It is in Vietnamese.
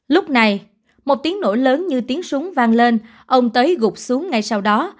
lúc này một tiếng nổ lớn như tiếng súng vang lên ông tới gục xuống ngay sau đó